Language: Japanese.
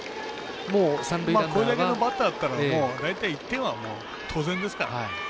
これだけのバッターだったら大体１点は当然ですから。